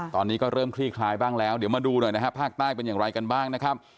ตอนนี้ก็เริ่มคลี่คลายบ้างแล้วเดี๋ยวมาดูหน่อยนะฮะภาคใต้เป็นอย่างไรกันบ้างนะครับ